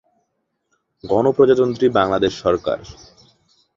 গণপ্রজাতন্ত্রী বাংলাদেশ সরকার।